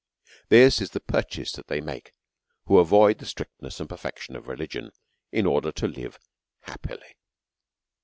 This is the purchase that they make, who avoid the strictness and perfection of relig'ion_, in order to live happily.